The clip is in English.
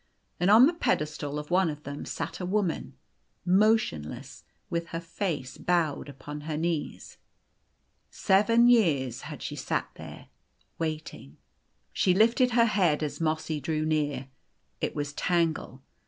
And on the pedestal of one of them sat a woman, motionless, with her face bowed upon her knees. Seven years had she sat there waiting. She lifted her head as Mossy drew near. It was Tangle.